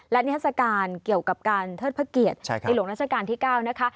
และนิทัศกาลเกี่ยวกับการเทิดพระเกียรติในหลวงราชการที่๙นะคะ